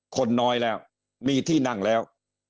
คนน้อยแล้วมีที่นั่งแล้ว